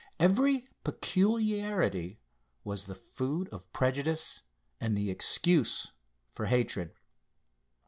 Every peculiarity was the food of prejudice and the excuse for hatred.